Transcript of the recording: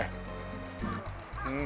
うん。